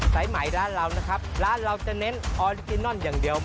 สายใหม่ร้านเรานะครับร้านเราจะเน้นออริจินอนอย่างเดียว